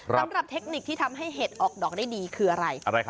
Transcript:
สำหรับเทคนิคที่ทำให้เห็ดออกดอกได้ดีคืออะไร